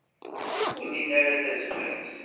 Ur lin ara tazmert.